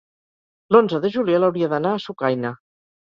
L'onze de juliol hauria d'anar a Sucaina.